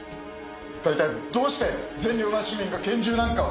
だいたいどうして善良な市民が拳銃なんかを。